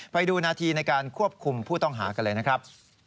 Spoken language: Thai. ไปดูนาทีในการควบคุมผู้ต้องหากันเลยนะครับ